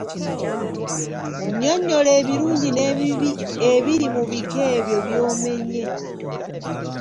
Nnyonnyola ebirungi n'ebibi ebiri mu bika ebyo by'omenye.